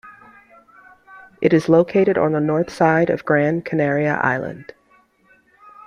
It is located on the north side of Gran Canaria island.